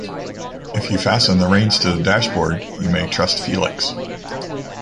If you fasten the reins to the dashboard, you may trust Felix.